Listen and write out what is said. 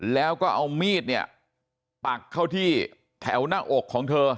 แล้วก็เอามีดเนี่ยปักเข้าที่แถวหน้าอกของเธอ